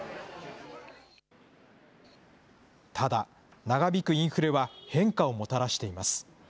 ただ、長引くインフレは変化をもたらしています。